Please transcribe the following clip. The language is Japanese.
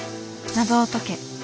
「謎を解け」。